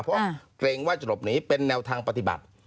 เพราะเกรงว่าจะหลบหนีเป็นแนวทางปฏิบัติ